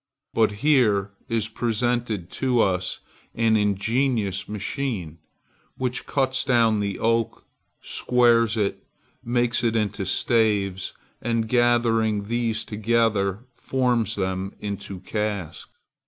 But here is presented to us an ingenious machine, which cuts down the oak, squares it, makes it into staves, and, gathering these together, forms them into casks.